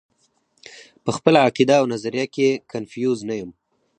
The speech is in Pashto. پۀ خپله عقيده او نظريه کښې کنفيوز نۀ يم -